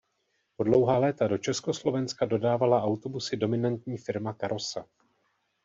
Po dlouhá léta do Československa dodávala autobusy dominantní firma Karosa.